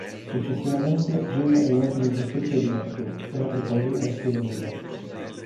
Successivamente, Jim rientra in possesso di Herbie, ed apre con lui una scuola guida.